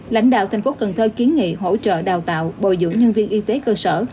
lãnh đạo thành phố cần thơ kiến nghị hỗ trợ đào tạo bồi dưỡng nhân viên y tế cơ sở